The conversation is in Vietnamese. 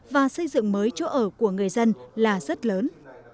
và xây dựng mới chỗ ở của người dân là rất lớn